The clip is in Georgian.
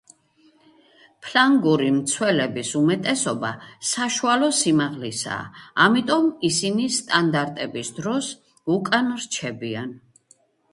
ფლანგური მცველების უმეტესობა საშუალო სიმაღლისაა ამიტომ ისინი სტანდარტების დროს უკან რჩებიან.